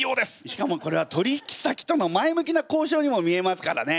しかもこれは取引先との前向きな交渉にも見えますからね。